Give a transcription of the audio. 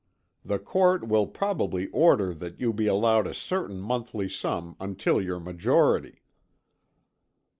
The court will probably order that you be allowed a certain monthly sum until your majority."